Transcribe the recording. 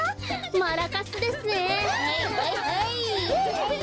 マラカスですね。